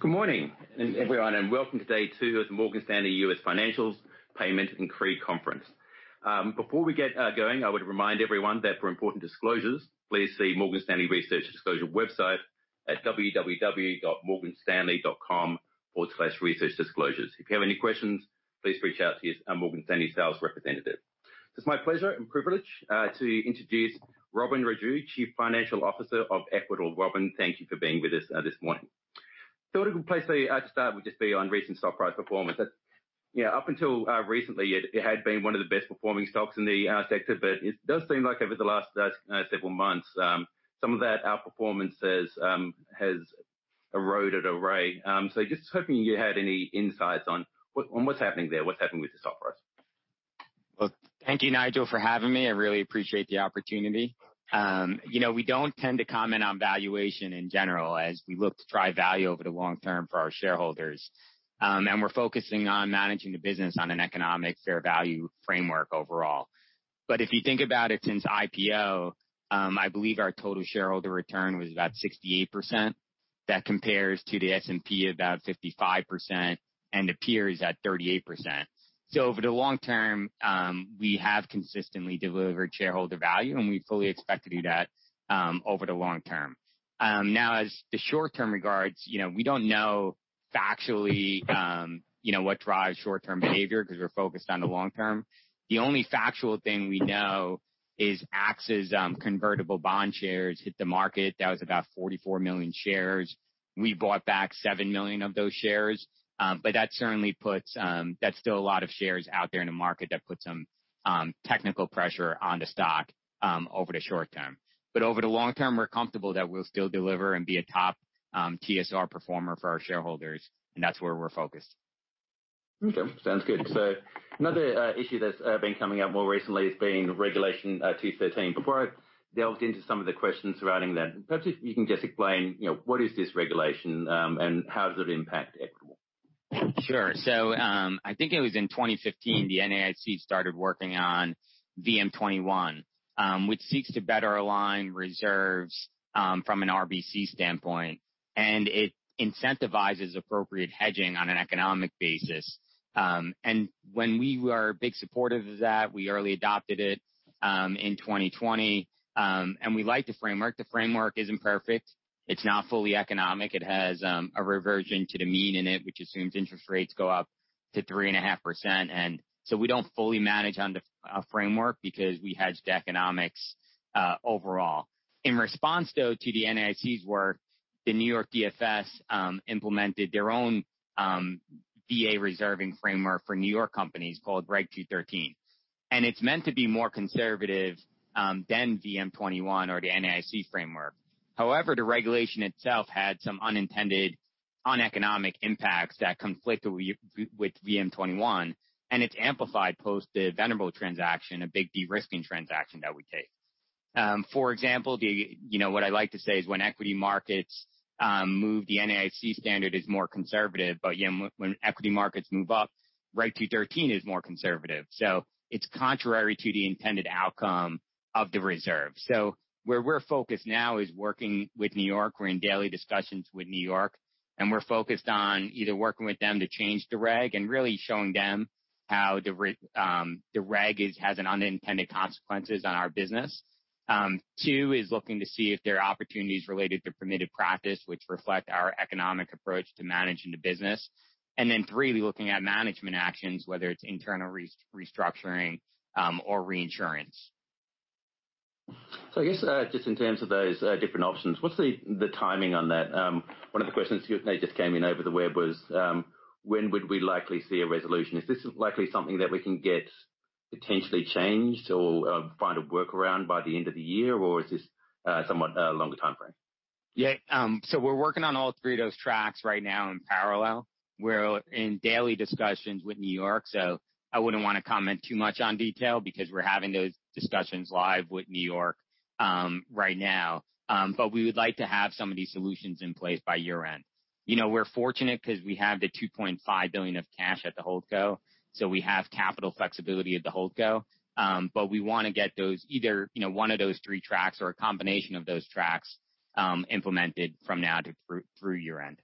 Good morning, everyone, and welcome to day two of the Morgan Stanley U.S. Financials, Payments and CRE Conference. Before we get going, I would remind everyone that for important disclosures, please see Morgan Stanley Research Disclosure website at www.morganstanley.com/researchdisclosures. If you have any questions, please reach out to your Morgan Stanley sales representative. It's my pleasure and privilege to introduce Robin Raju, Chief Financial Officer of Equitable. Robin, thank you for being with us this morning. Thought a good place to start would just be on recent stock price performance. Up until recently, it had been one of the best-performing stocks in the sector, but it does seem like over the last several months, some of that outperformance has eroded away. Just hoping you had any insights on what's happening there, what's happening with the stock price. Well, thank you, Nigel, for having me. I really appreciate the opportunity. We don't tend to comment on valuation in general as we look to drive value over the long term for our shareholders. We're focusing on managing the business on an economic fair value framework overall. If you think about it, since IPO, I believe our total shareholder return was about 68%. That compares to the S&P, about 55%, and peers at 38%. Over the long term, we have consistently delivered shareholder value, and we fully expect to do that over the long term. Now, as the short term regards, we don't know factually what drives short-term behavior because we're focused on the long term. The only factual thing we know is AXA's convertible bond shares hit the market. That was about 44 million shares. We bought back seven million of those shares. That's still a lot of shares out there in the market that puts some technical pressure on the stock over the short term. Over the long term, we're comfortable that we'll still deliver and be a top TSR performer for our shareholders, and that's where we're focused. Okay. Sounds good. Another issue that's been coming up more recently has been Regulation 213. Before I delve into some of the questions surrounding that, perhaps if you can just explain, what is this regulation and how does it impact Equitable? Sure. I think it was in 2015, the NAIC started working on VM-21 which seeks to better align reserves from an RBC standpoint, it incentivizes appropriate hedging on an economic basis. When we were big supportive of that, we early adopted it in 2020. We like the framework. The framework isn't perfect. It's not fully economic. It has a reversion to the mean in it, which assumes interest rates go up to 3.5%. We don't fully manage on the framework because we hedged economics overall. In response, though, to the NAIC's work, the New York DFS implemented their own VA reserving framework for New York companies called Reg 213. It's meant to be more conservative than VM-21 or the NAIC framework. However, the regulation itself had some unintended uneconomic impacts that conflicted with VM-21, it's amplified post the Venerable transaction, a big de-risking transaction that we take. For example, what I like to say is when equity markets move, the NAIC standard is more conservative, when equity markets move up, Reg 213 is more conservative. It's contrary to the intended outcome of the reserve. Where we're focused now is working with New York. We're in daily discussions with New York, we're focused on either working with them to change the reg and really showing them how the reg has an unintended consequences on our business. Two is looking to see if there are opportunities related to permitted practice which reflect our economic approach to managing the business. Then three, looking at management actions, whether it's internal restructuring or reinsurance. I guess just in terms of those different options, what's the timing on that? One of the questions that just came in over the web was when would we likely see a resolution? Is this likely something that we can get potentially changed or find a workaround by the end of the year, or is this somewhat a longer timeframe? Yeah. We're working on all three of those tracks right now in parallel. We're in daily discussions with New York, I wouldn't want to comment too much on detail because we're having those discussions live with New York right now. We would like to have some of these solutions in place by year-end. We're fortunate because we have the $2.5 billion of cash at the holdco. We have capital flexibility at the holdco. We want to get those either one of those three tracks or a combination of those tracks implemented from now through year-end.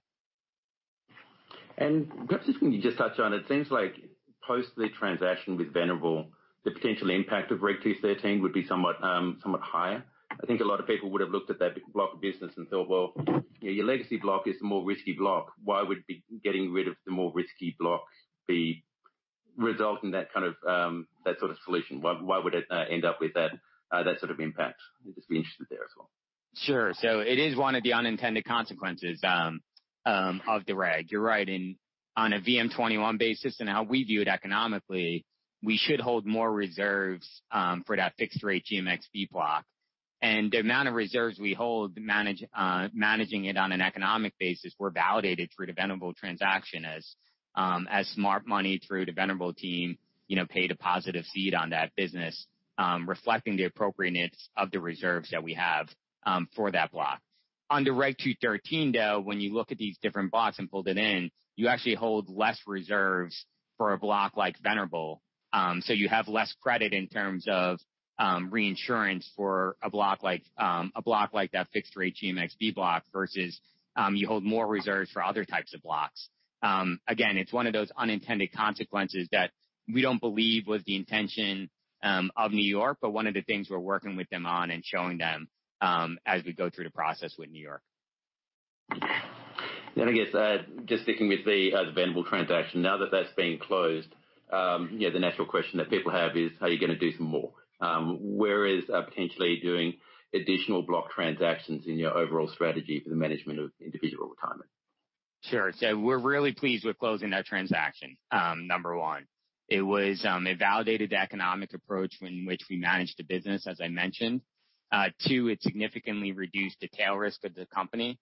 Perhaps if you can just touch on, it seems like post the transaction with Venerable, the potential impact of Reg 213 would be somewhat higher. I think a lot of people would have looked at that block of business and thought, well, your legacy block is the more risky block. Why would getting rid of the more risky block result in that sort of solution? Why would it end up with that sort of impact? I'd just be interested there as well. Sure. It is one of the unintended consequences of the Reg. You're right. On a VM-21 basis and how we view it economically, we should hold more reserves for that fixed rate GMxB block. The amount of reserves we hold managing it on an economic basis were validated through the Venerable transaction as smart money through the Venerable team paid a positive cede on that business, reflecting the appropriateness of the reserves that we have for that block. On the Reg 213, though, when you look at these different blocks and pulled it in, you actually hold less reserves for a block like Venerable. You have less credit in terms of reinsurance for a block like that fixed rate GMxB block versus you hold more reserves for other types of blocks. Again, it's one of those unintended consequences that we don't believe was the intention of New York, but one of the things we're working with them on and showing them as we go through the process with New York. I guess, just sticking with the Venerable transaction, now that that's been closed, the natural question that people have is how you're going to do some more. Where is potentially doing additional block transactions in your overall strategy for the management of individual retirement? We're really pleased with closing that transaction, number 1. It was a validated economic approach in which we managed the business, as I mentioned. It significantly reduced the tail risk of the company,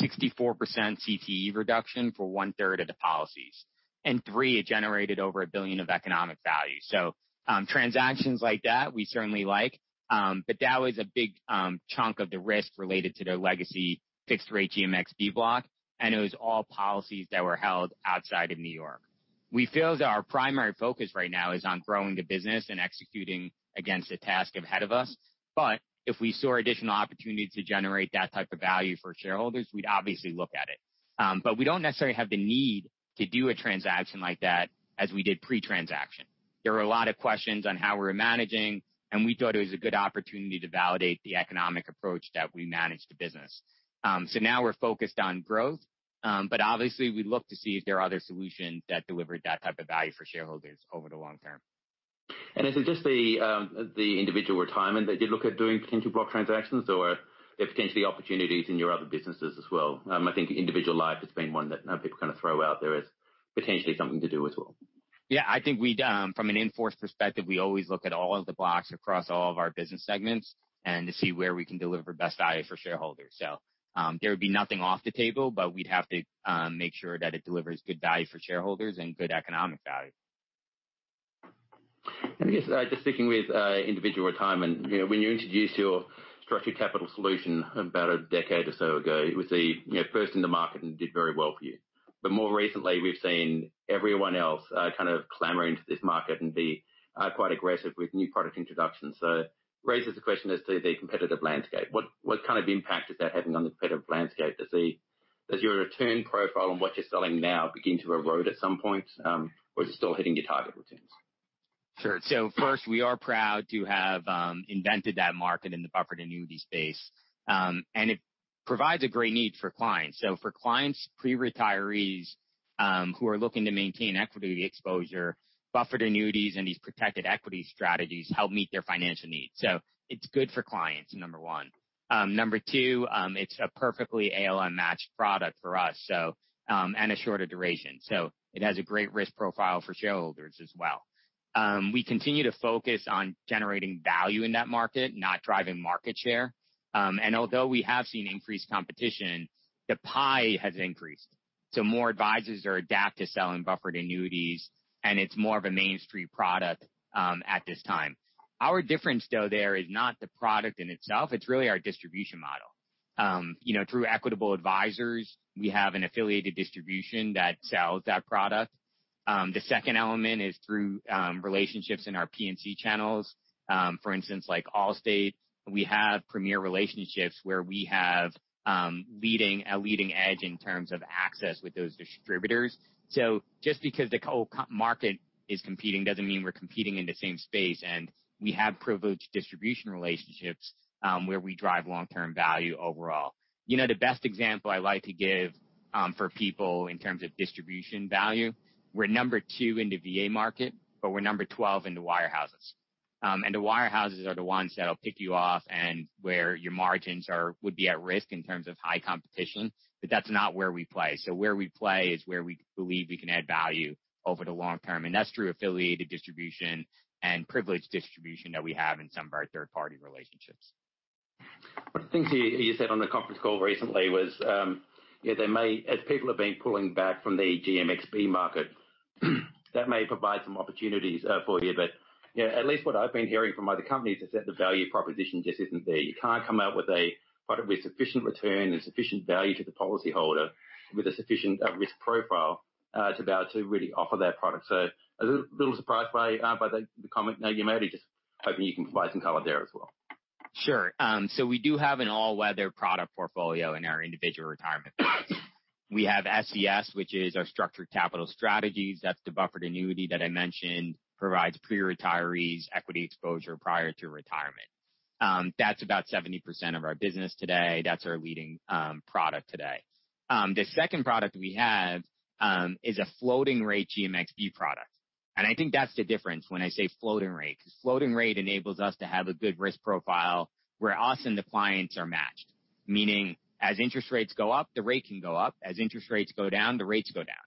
64% CTE reduction for one-third of the policies. It generated over $1 billion of economic value. Transactions like that, we certainly like. That was a big chunk of the risk related to their legacy fixed-rate GMxB block, and it was all policies that were held outside of New York. We feel that our primary focus right now is on growing the business and executing against the task ahead of us. If we saw additional opportunity to generate that type of value for shareholders, we'd obviously look at it. We don't necessarily have the need to do a transaction like that as we did pre-transaction. There were a lot of questions on how we were managing, and we thought it was a good opportunity to validate the economic approach that we managed the business. Now we're focused on growth. Obviously, we'd look to see if there are other solutions that delivered that type of value for shareholders over the long term. Is it just the Individual Retirement that you'd look at doing potential block transactions, or are there potentially opportunities in your other businesses as well? I think Individual Life has been one that people kind of throw out there as potentially something to do as well. I think from an in-force perspective, we always look at all of the blocks across all of our business segments and to see where we can deliver best value for shareholders. There would be nothing off the table, but we'd have to make sure that it delivers good value for shareholders and good economic value. I guess, just sticking with Individual Retirement, when you introduced your Structured Capital Solution about a decade or so ago, it was first in the market and did very well for you. More recently, we've seen everyone else kind of clamoring to this market and be quite aggressive with new product introductions. It raises the question as to the competitive landscape. What kind of impact is that having on the competitive landscape? Does your return profile on what you're selling now begin to erode at some point? Or is it still hitting your target returns? Sure. First, we are proud to have invented that market in the buffered annuity space. It provides a great need for clients. For clients, pre-retirees, who are looking to maintain equity exposure, buffered annuities and these protected equity strategies help meet their financial needs. It's good for clients, number 1. Number 2, it's a perfectly ALM matched product for us, and a shorter duration. It has a great risk profile for shareholders as well. We continue to focus on generating value in that market, not driving market share. Although we have seen increased competition, the pie has increased. More advisors are adept at selling buffered annuities, and it's more of a mainstream product at this time. Our difference, though, there is not the product in itself, it's really our distribution model. Through Equitable Advisors, we have an affiliated distribution that sells that product. The second element is through relationships in our P&C channels. For instance, like Allstate, we have premier relationships where we have a leading edge in terms of access with those distributors. Just because the whole market is competing doesn't mean we're competing in the same space. We have privileged distribution relationships, where we drive long-term value overall. The best example I like to give for people in terms of distribution value, we're number 2 in the VA market, but we're number 12 in the wirehouses. The wirehouses are the ones that'll pick you off and where your margins would be at risk in terms of high competition. That's not where we play. Where we play is where we believe we can add value over the long term, and that's through affiliated distribution and privileged distribution that we have in some of our third-party relationships. One of the things you said on the conference call recently was as people have been pulling back from the GMxB market, that may provide some opportunities for you. At least what I've been hearing from other companies is that the value proposition just isn't there. You can't come out with a quite a sufficient return and sufficient value to the policyholder with a sufficient risk profile to be able to really offer that product. A little surprised by the comment. Now you may be just hoping you can provide some color there as well. Sure. We do have an all-weather product portfolio in our individual retirement plans. We have SCS, which is our Structured Capital Strategies. That's the buffered annuity that I mentioned, provides pre-retirees equity exposure prior to retirement. That's about 70% of our business today. That's our leading product today. The second product we have is a floating rate GMxB product. I think that's the difference when I say floating rate, because floating rate enables us to have a good risk profile where us and the clients are matched, meaning as interest rates go up, the rate can go up. As interest rates go down, the rates go down.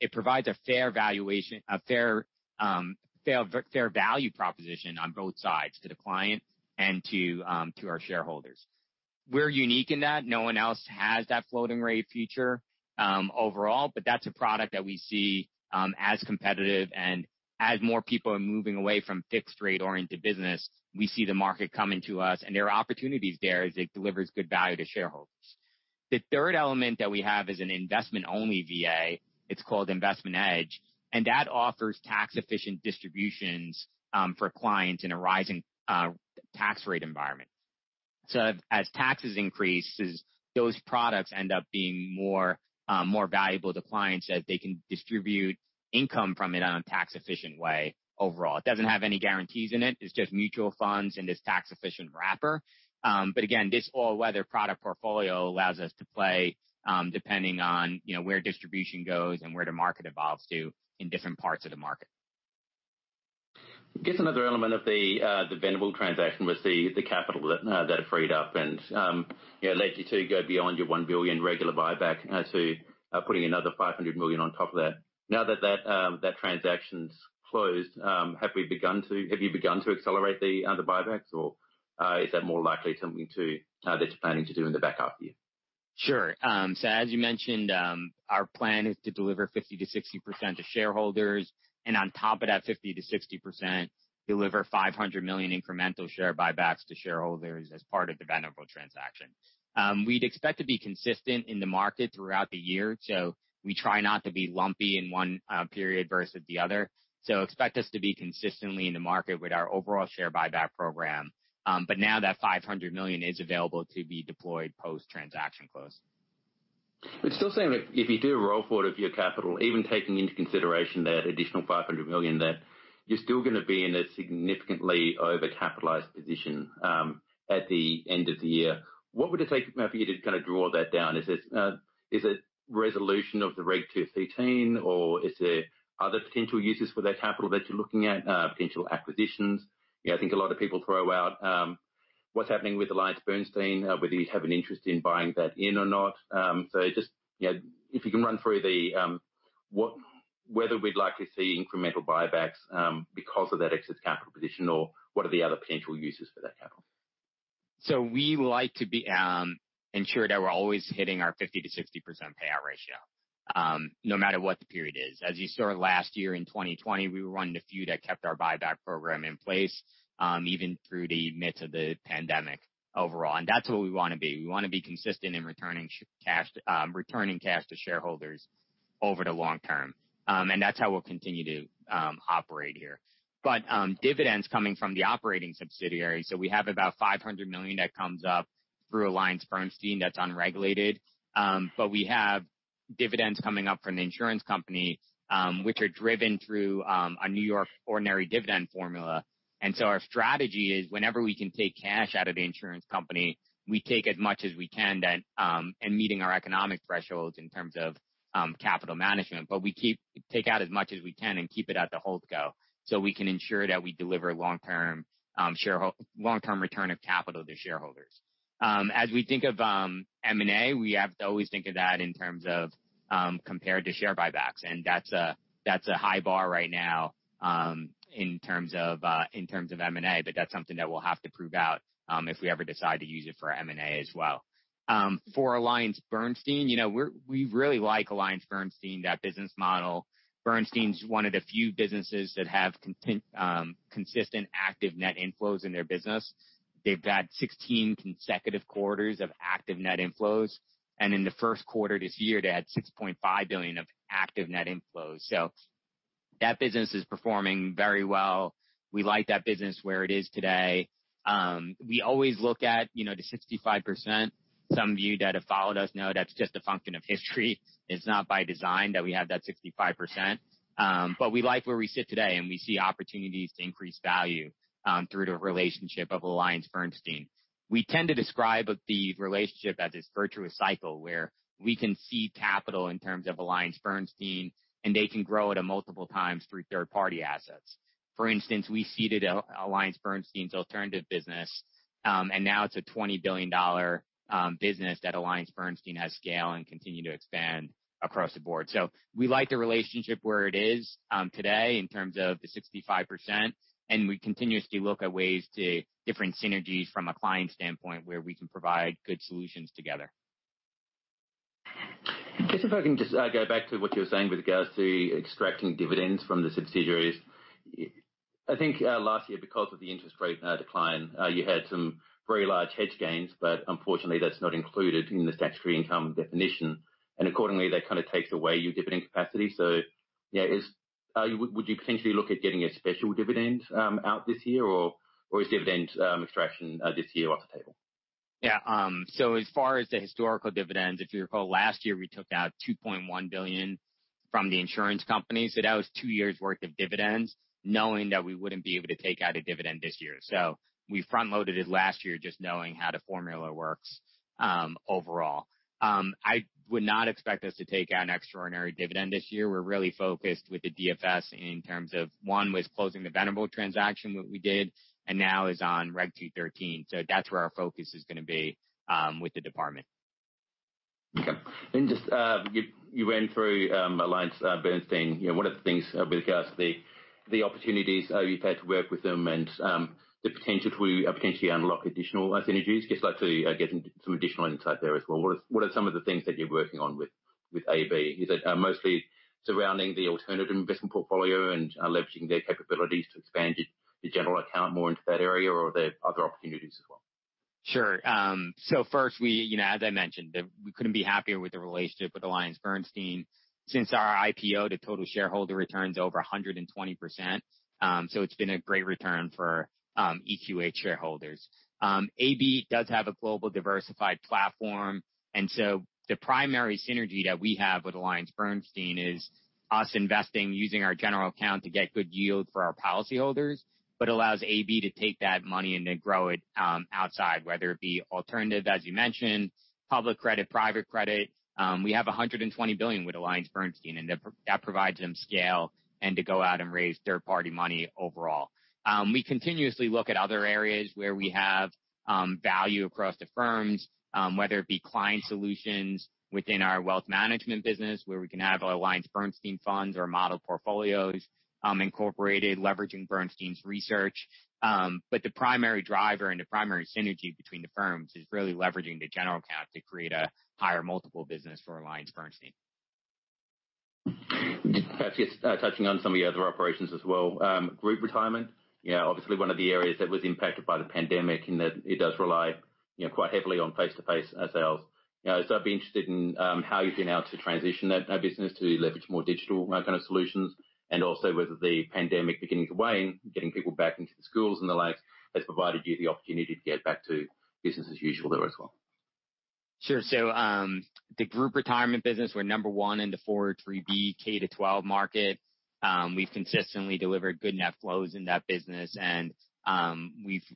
It provides a fair value proposition on both sides to the client and to our shareholders. We're unique in that no one else has that floating rate feature overall. That's a product that we see as competitive and as more people are moving away from fixed rate-oriented business, we see the market coming to us, and there are opportunities there as it delivers good value to shareholders. The third element that we have is an investment-only VA. It's called Investment Edge, and that offers tax-efficient distributions for clients in a rising tax rate environment. As taxes increase, those products end up being more valuable to clients as they can distribute income from it in a tax-efficient way overall. It doesn't have any guarantees in it. It's just mutual funds in this tax-efficient wrapper. Again, this all-weather product portfolio allows us to play, depending on where distribution goes and where the market evolves to in different parts of the market. I guess another element of the Venerable transaction was the capital that it freed up and allowed you to go beyond your $1 billion regular buyback to putting another $500 million on top of that. Now that transaction's closed, have you begun to accelerate the other buybacks, or is that more likely something that you're planning to do in the back half of the year? Sure. As you mentioned, our plan is to deliver 50% to 60% to shareholders. On top of that 50% to 60%, deliver $500 million incremental share buybacks to shareholders as part of the Venerable transaction. We'd expect to be consistent in the market throughout the year, we try not to be lumpy in one period versus the other. Expect us to be consistently in the market with our overall share buyback program. Now that $500 million is available to be deployed post-transaction close. It's still saying that if you do roll forward a few capital, even taking into consideration that additional $500 million there, you're still going to be in a significantly over-capitalized position at the end of the year. What would it take for you to draw that down? Is it resolution of the Reg 213, or is there other potential uses for that capital that you're looking at, potential acquisitions? I think a lot of people throw out what's happening with AllianceBernstein, whether you have an interest in buying that in or not. Just if you can run through whether we'd likely see incremental buybacks because of that excess capital position, or what are the other potential uses for that capital? We like to ensure that we're always hitting our 50%-60% payout ratio, no matter what the period is. As you saw last year in 2020, we were one of the few that kept our buyback program in place, even through the midst of the pandemic overall. That's what we want to be. We want to be consistent in returning cash to shareholders over the long term. That's how we'll continue to operate here. Dividends coming from the operating subsidiary. We have about $500 million that comes up through AllianceBernstein that's unregulated. We have dividends coming up from the insurance company, which are driven through a New York ordinary dividend formula. Our strategy is whenever we can take cash out of the insurance company, we take as much as we can then and meeting our economic thresholds in terms of capital management. We take out as much as we can and keep it at the hold co. We can ensure that we deliver long-term return of capital to shareholders. As we think of M&A, we have to always think of that in terms of compared to share buybacks. That's a high bar right now in terms of M&A, but that's something that we'll have to prove out if we ever decide to use it for M&A as well. For AllianceBernstein, we really like AllianceBernstein, that business model. Bernstein's one of the few businesses that have consistent active net inflows in their business. They've had 16 consecutive quarters of active net inflows, and in the first quarter this year, they had $6.5 billion of active net inflows. That business is performing very well. We like that business where it is today. We always look at the 65%. Some of you that have followed us know that's just a function of history. It's not by design that we have that 65%. We like where we sit today, and we see opportunities to increase value through the relationship of AllianceBernstein. We tend to describe the relationship as this virtuous cycle where we can see capital in terms of AllianceBernstein, and they can grow it at multiple times through third-party assets. For instance, we seeded AllianceBernstein's alternative business, and now it's a $20 billion business that AllianceBernstein has scale and continue to expand across the board. We like the relationship where it is today in terms of the 65%, and we continuously look at ways to different synergies from a client standpoint where we can provide good solutions together. If I can just go back to what you were saying with regards to extracting dividends from the subsidiaries. I think last year, because of the interest rate decline, you had some very large hedge gains, but unfortunately, that's not included in the statutory income definition. Accordingly, that kind of takes away your dividend capacity. Would you potentially look at getting a special dividend out this year, or is dividend extraction this year off the table? As far as the historical dividends, if you recall, last year, we took out $2.1 billion from the insurance company. That was 2 years' worth of dividends, knowing that we wouldn't be able to take out a dividend this year. We front-loaded it last year just knowing how the formula works overall. I would not expect us to take out an extraordinary dividend this year. We're really focused with the DFS in terms of one was closing the Venerable transaction, which we did, and now is on Reg 213. That's where our focus is going to be with the department. You went through AllianceBernstein. One of the things with regards to the opportunities you've had to work with them and the potential to unlock additional synergies. Like to get some additional insight there as well. What are some of the things that you're working on with AB? Is it mostly surrounding the alternative investment portfolio and leveraging their capabilities to expand your general account more into that area, or are there other opportunities as well? First, as I mentioned, we couldn't be happier with the relationship with AllianceBernstein. Since our IPO, the total shareholder return's over 120%. It's been a great return for EQH shareholders. AB does have a global diversified platform, the primary synergy that we have with AllianceBernstein is us investing using our general account to get good yield for our policyholders, but allows AB to take that money and to grow it outside, whether it be alternative, as you mentioned, public credit, private credit. We have $120 billion with AllianceBernstein, that provides them scale and to go out and raise third-party money overall. We continuously look at other areas where we have value across the firms, whether it be client solutions within our wealth management business, where we can have AllianceBernstein funds or model portfolios incorporated leveraging Bernstein's research. The primary driver and the primary synergy between the firms is really leveraging the general account to create a higher multiple business for AllianceBernstein. Perhaps just touching on some of your other operations as well. Group retirement, obviously one of the areas that was impacted by the pandemic in that it does rely quite heavily on face-to-face sales. I'd be interested in how you've been able to transition that business to leverage more digital kind of solutions, and also whether the pandemic beginning to wane, getting people back into the schools and the like, has provided you the opportunity to get back to business as usual there as well. Sure. The group retirement business, we're number 1 in the 403 K-12 market. We've consistently delivered good net flows in that business and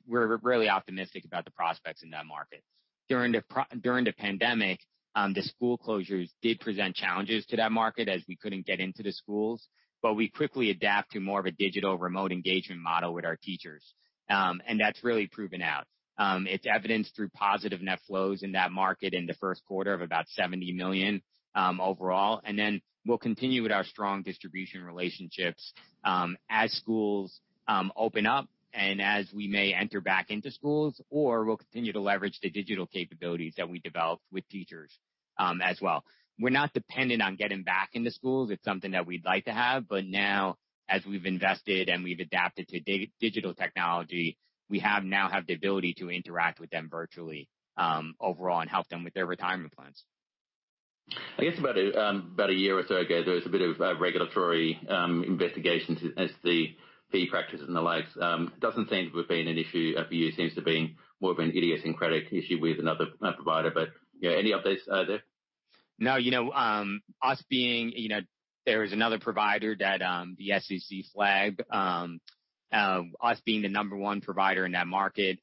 we're really optimistic about the prospects in that market. During the pandemic, the school closures did present challenges to that market as we couldn't get into the schools, but we quickly adapt to more of a digital remote engagement model with our teachers. That's really proven out. It's evidenced through positive net flows in that market in the first quarter of about $70 million overall. We'll continue with our strong distribution relationships as schools open up and as we may enter back into schools, or we'll continue to leverage the digital capabilities that we developed with teachers as well. We're not dependent on getting back into schools. It's something that we'd like to have. Now, as we've invested and we've adapted to digital technology, we now have the ability to interact with them virtually overall and help them with their retirement plans. I guess about a year or so ago, there was a bit of a regulatory investigation as to the fee practices and the like. Doesn't seem to have been an issue for you. Seems to been more of an idiosyncratic issue with another provider. Any updates there? No. There was another provider that the SEC flagged. Us being the number one provider in that market,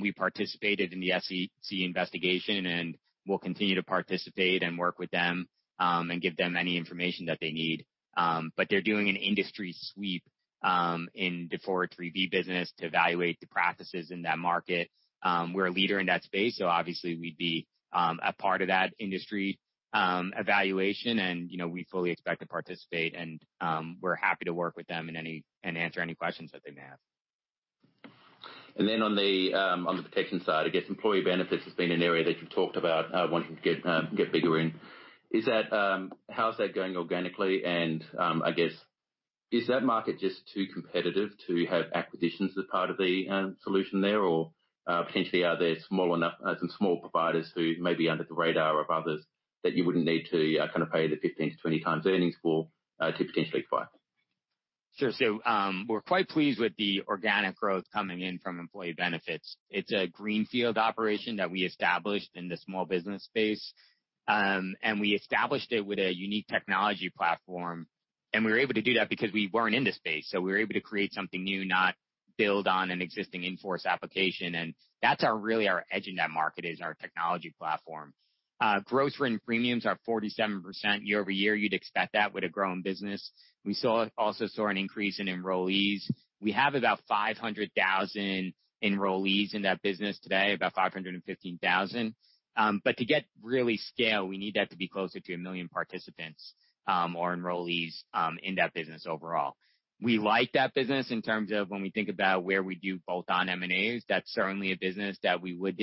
we participated in the SEC investigation, and we'll continue to participate and work with them, and give them any information that they need. They're doing an industry sweep in the 403 business to evaluate the practices in that market. We're a leader in that space, so obviously we'd be a part of that industry evaluation and we fully expect to participate and we're happy to work with them and answer any questions that they may have. On the protection side, I guess employee benefits has been an area that you've talked about wanting to get bigger in. How is that going organically and, I guess, is that market just too competitive to have acquisitions as part of the solution there? Or potentially, are there some small providers who may be under the radar of others that you wouldn't need to pay the 15-20 times earnings for to potentially acquire? Sure. We're quite pleased with the organic growth coming in from employee benefits. It's a greenfield operation that we established in the small business space, and we established it with a unique technology platform. We were able to do that because we weren't in the space. We were able to create something new, not build on an existing in-force application. That's really our edge in that market is our technology platform. Growth in premiums are 47% year-over-year. You'd expect that with a growing business. We also saw an increase in enrollees. We have about 500,000 enrollees in that business today, about 515,000. To get really scale, we need that to be closer to 1 million participants or enrollees in that business overall. We like that business in terms of when we think about where we do bolt-on M&As. That's certainly a business that we would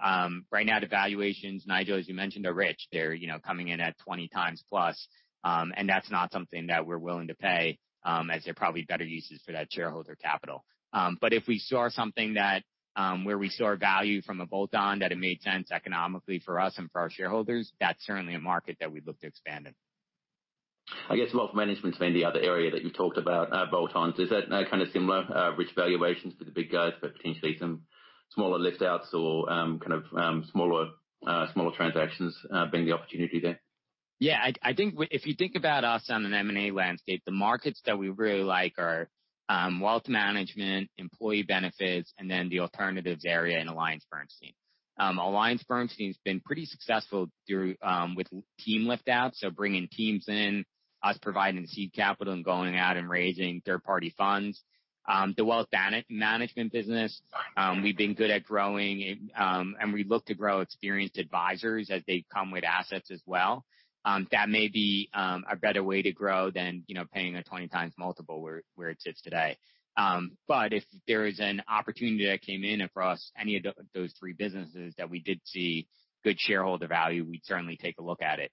do. Right now, the valuations, Nigel, as you mentioned, are rich. They're coming in at 20 times plus. That's not something that we're willing to pay, as there are probably better uses for that shareholder capital. If we saw something that where we saw value from a bolt-on that it made sense economically for us and for our shareholders, that's certainly a market that we'd look to expand in. I guess wealth management's been the other area that you talked about bolt-ons. Is that kind of similar, rich valuations for the big guys, but potentially some smaller lift outs or smaller transactions being the opportunity there? Yeah. If you think about us on an M&A landscape, the markets that we really like are wealth management, employee benefits, and then the alternatives area in AllianceBernstein. AllianceBernstein's been pretty successful with team lift outs, so bringing teams in, us providing the seed capital and going out and raising third-party funds. The wealth management business. Sorry We've been good at growing, and we look to grow experienced advisors as they come with assets as well. That may be a better way to grow than paying a 20 times multiple where it sits today. If there is an opportunity that came in across any of those three businesses that we did see good shareholder value, we'd certainly take a look at it.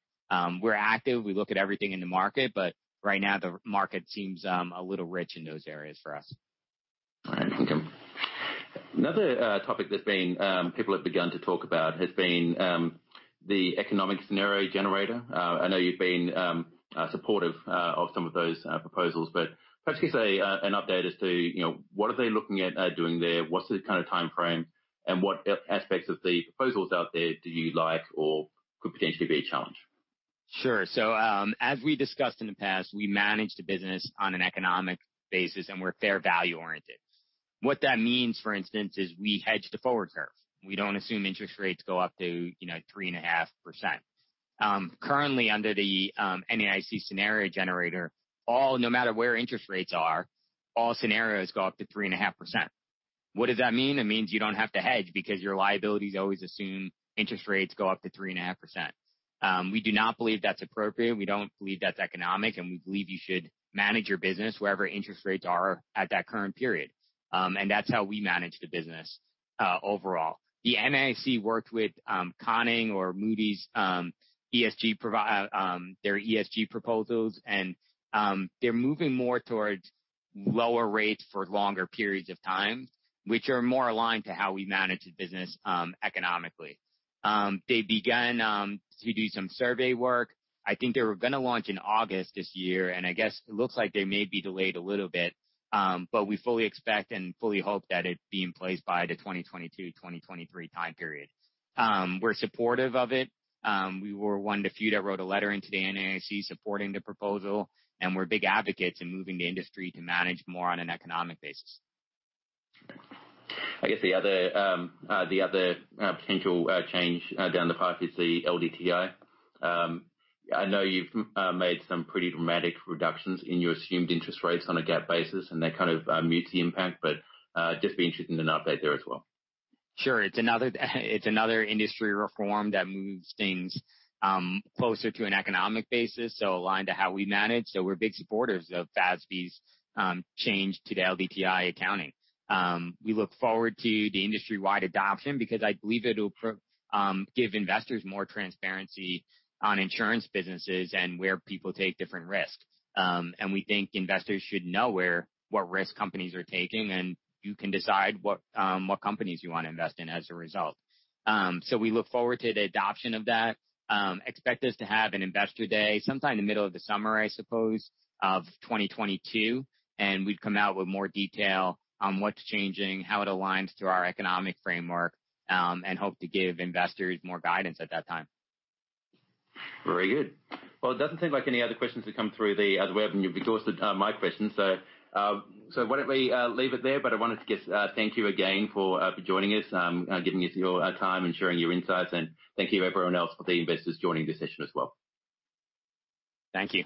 We're active. We look at everything in the market, but right now the market seems a little rich in those areas for us. Thank you. Another topic that people have begun to talk about has been the economic scenario generator. I know you've been supportive of some of those proposals, but perhaps you could say an update as to what are they looking at doing there, what's the timeframe, and what aspects of the proposals out there do you like or could potentially be a challenge? Sure. As we discussed in the past, we manage the business on an economic basis, and we're fair value oriented. What that means, for instance, is we hedge the forward curve. We don't assume interest rates go up to 3.5%. Currently, under the NAIC scenario generator, no matter where interest rates are, all scenarios go up to 3.5%. What does that mean? It means you don't have to hedge because your liabilities always assume interest rates go up to 3.5%. We do not believe that's appropriate. We don't believe that's economic, and we believe you should manage your business wherever interest rates are at that current period. That's how we manage the business overall. The NAIC worked with Conning or Moody's, their ESG proposals, and they're moving more towards lower rates for longer periods of time, which are more aligned to how we manage the business economically. They've begun to do some survey work. I think they were going to launch in August this year, and I guess it looks like they may be delayed a little bit. We fully expect and fully hope that it's being placed by the 2022/2023 time period. We're supportive of it. We were one of the few that wrote a letter into the NAIC supporting the proposal, and we're big advocates in moving the industry to manage more on an economic basis. I guess the other potential change down the path is the LDTI. I know you've made some pretty dramatic reductions in your assumed interest rates on a GAAP basis, and that kind of mutes the impact, but just be interested in an update there as well. Sure. It's another industry reform that moves things closer to an economic basis, so aligned to how we manage. We're big supporters of FASB's change to the LDTI accounting. We look forward to the industry-wide adoption because I believe it'll give investors more transparency on insurance businesses and where people take different risks. We think investors should know what risk companies are taking, and you can decide what companies you want to invest in as a result. We look forward to the adoption of that. Expect us to have an investor day sometime in the middle of the summer, I suppose, of 2022, and we'd come out with more detail on what's changing, how it aligns to our economic framework, and hope to give investors more guidance at that time. Very good. Well, it doesn't seem like any other questions have come through the web, and you've exhausted my questions. Why don't we leave it there? I wanted to thank you again for joining us, giving us your time and sharing your insights. Thank you everyone else for the investors joining this session as well. Thank you.